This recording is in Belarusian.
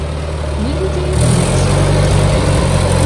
Ні людзей, ні асяроддзя.